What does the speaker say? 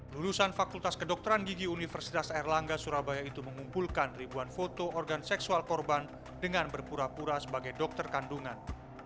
lulusan fakultas kedokteran gigi universitas erlangga surabaya itu mengumpulkan ribuan foto organ seksual korban dengan berpura pura sebagai dokter kandungan